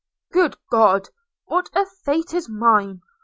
Good God! what a fate is mine!